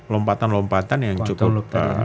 lompatan lompatan yang cukup